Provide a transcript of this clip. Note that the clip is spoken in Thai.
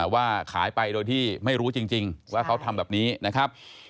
ว่าขายไปโดยที่ไม่รู้จริงว่าเขาทำแบบนี้นะครับ